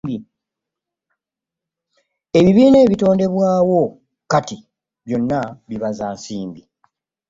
Ebibiina ebitondebwawo kati byonna bibaza nsimbi.